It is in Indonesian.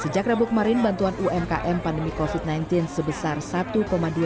sejak rabu kemarin bantuan umkm pandemi covid sembilan belas sebesar satu dua juta